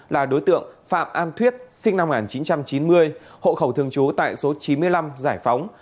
là đối tượng phạm an thuyết sinh năm một nghìn chín trăm chín mươi hộ khẩu thường trú tại số chín mươi năm giải phóng